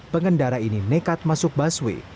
pengendara ini nekat masuk busway